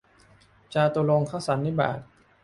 จาตุรงคสันนิบาต